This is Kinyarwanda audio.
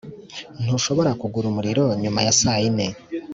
ntushobora kugura umuriro nyuma ya saa yine